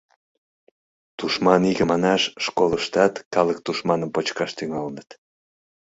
«Тушман иге» манаш, школыштат калык тушманым почкаш тӱҥалыныт.